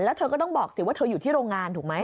แล้วเธอก็ต้องบอกสิว่าเธออยู่ที่โรงงานถูกไหม